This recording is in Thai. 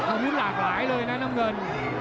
อาวุธหลากหลายเลยนะน้ำเงิน